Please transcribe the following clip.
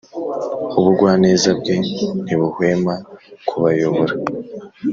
ubugwaneza bwe ntibuhwema kubayobora